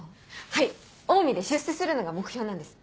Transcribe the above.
はいオウミで出世するのが目標なんです。